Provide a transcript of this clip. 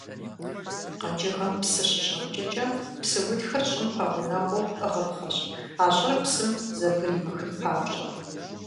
Къэкӏыгъэм псы щыщӏэпкӏэкӏэ псы утхыр щӏым пэгъунэгъуу ӏыгъыпхъэщ, а щӏыр псым зэбгыримыхын папщӏэ.